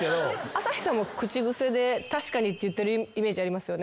朝日さんも口癖で「確かに」って言ってるイメージありますよね。